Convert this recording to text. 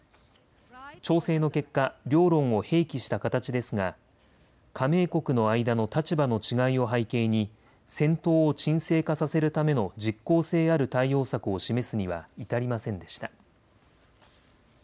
調整の結果、両論を併記した形ですが加盟国の間の立場の違いを背景に戦闘を鎮静化させるための実効性ある対応策を示すには至りませんでした。